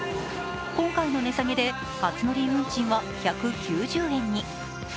今回の値下げで初乗り運賃は１９０円に。